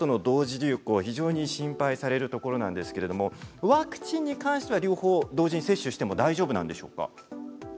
流行非常に心配されるところなんですけれどワクチンに関しては両方同時に接種しても大丈夫なんでしょうか。